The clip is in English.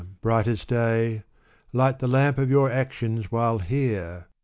Bright as day, light the lamp of your actions while here